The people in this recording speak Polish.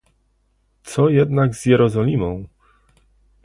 Co jednak z Jerozolimą?